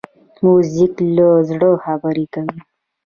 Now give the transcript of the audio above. موزیک له زړه خبرې کوي.